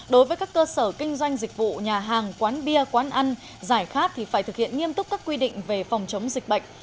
đối với các cơ sở kinh doanh dịch vụ nhà hàng quán bia quán ăn giải khát thì phải thực hiện nghiêm túc các quy định về phòng chống dịch bệnh